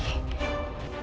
bisa ketawa nih gue